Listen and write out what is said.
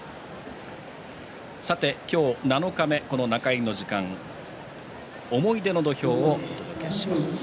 今日七日目、中入りの時間「思い出の土俵」をお届けします。